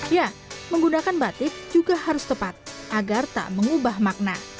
ya menggunakan batik juga harus tepat agar tak mengubah makna